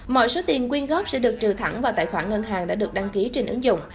mọi số tiền quyên góp sẽ được trừ thẳng vào tài khoản ngân hàng đã được đăng ký trên ứng dụng